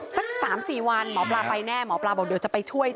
สักสามสี่วันหมอปลาไปแน่หมอปลาบอกจะไปช่วย